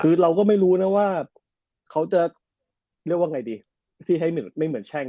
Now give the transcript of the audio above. คือเราก็ไม่รู้นะว่าเขาจะเรียกว่าไงดีที่ให้ไม่เหมือนแช่ง